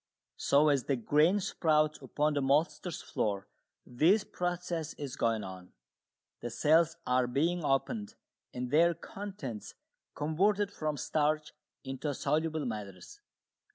So as the grain sprouts upon the maltster's floor this process is going on the cells are being opened and their contents converted from starch into soluble matters.